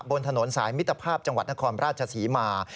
บนถนนสายมิตรภาพจังหวัดนครราชศรีมา